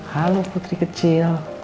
halo putri kecil